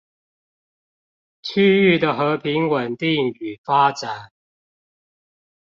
區域的和平穩定與發展